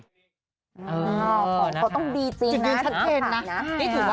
ของเขาต้องดีจริงนะถือถ่ายนะใช่ไหมครับใช่ค่ะใช่ค่ะ